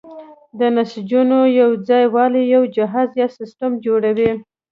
د نسجونو یوځای والی یو جهاز یا سیستم جوړوي.